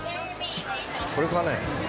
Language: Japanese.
これかね？